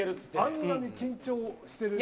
あんなに緊張してるなんて。